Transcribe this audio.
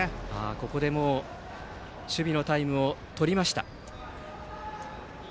ここで守備のタイムを取りました。